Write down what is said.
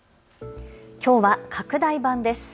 きょうは拡大版です。